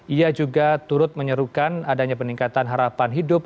ia juga turut menyerukan adanya peningkatan harapan hidup